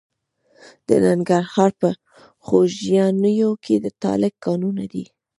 د ننګرهار په خوږیاڼیو کې د تالک کانونه دي.